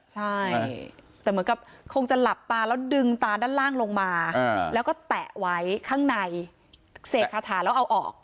ใช่แต่เหมือนกับคงจะหลับตาแล้วดึงตาด้านล่างลงมาแล้วก็แตะไว้ข้างในเสกคาถาแล้วเอาออก